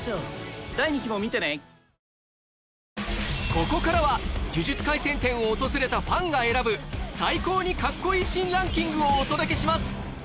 ここからは「呪術廻戦展」を訪れたファンが選ぶ最高にカッコいいシーンランキングをお届けします